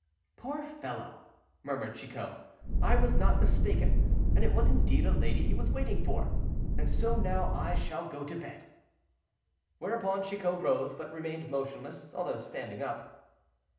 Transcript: "Poor fellow!" murmured Chicot, "I was not mistaken; and it was indeed a lady he was waiting for, and so now I shall go to bed." Whereupon Chicot rose, but remained motionless, although standing up.